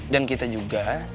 dan kita juga